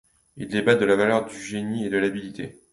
Ils débattent de la valeur du génie et de l'habileté.